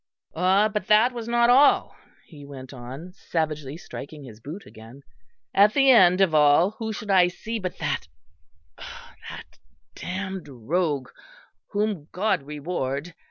"Ah! but that was not all," he went on, savagely striking his boot again, "at the end of all who should I see but that that damned rogue whom God reward!"